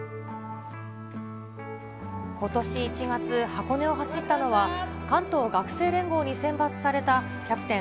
ことし１月、箱根を走ったのは、関東学生連合に選抜されたキャプテン、